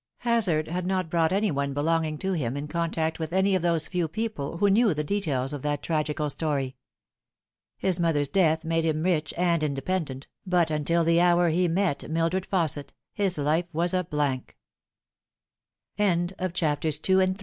Hazard had not brought any one belonging to him in contact with any of those few people who knew the details of that tragical story. His mother's death made him rich and independent, but until the hour he met Mildred Fausset his life was a